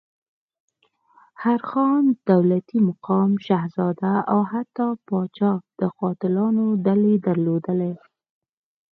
هر خان، دولتي مقام، شهزاده او حتی پاچا د قاتلانو ډلې درلودلې.